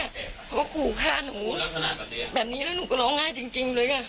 เพราะว่าขู่ฆ่าหนูแบบนี้แล้วหนูก็ร้องง่ายจริงจริงเลยอ่ะ